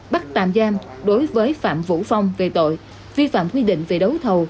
bắt tạm giam đối với phạm vũ phong về tội vi phạm quy định về đấu thầu